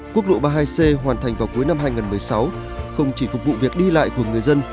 quốc lộ ba mươi hai c hoàn thành vào cuối năm hai nghìn một mươi sáu không chỉ phục vụ việc đi lại của người dân